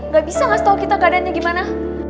gak bisa nggak setau kita keadaannya gimana